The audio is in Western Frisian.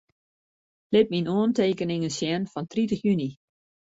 Lit myn oantekeningen sjen fan tritich juny.